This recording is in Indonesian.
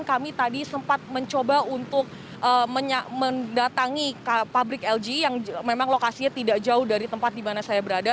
kami tadi sempat mencoba untuk mendatangi pabrik lg yang memang lokasinya tidak jauh dari tempat di mana saya berada